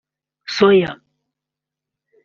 soya